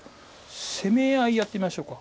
攻め合いやってみましょうか。